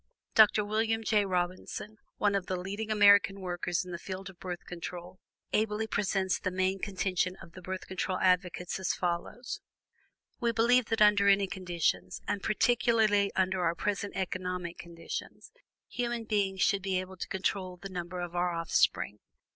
Dr. William J. Robinson, one of the leading American workers in the field of Birth Control, ably presents the main contention of the Birth Control advocates as follows: "We believe that under any conditions, and particularly under our present economic conditions, human beings should be able to control the number of our offspring.